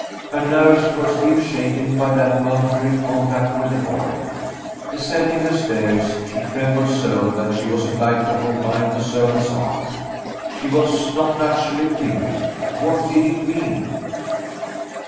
Her nerves were still shaken by that momentary contact with the boy. Descending the stairs, she trembled so that she was obliged to hold by the servant's arm. She was not naturally timid. What did it mean?